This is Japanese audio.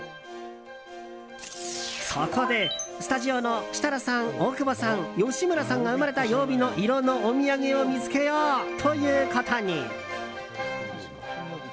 そこで、スタジオの設楽さん大久保さん、吉村さんが生まれた曜日の色のお土産を見つけようということに。